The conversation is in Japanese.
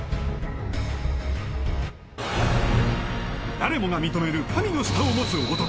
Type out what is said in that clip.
誰もが認める神の舌を持つ男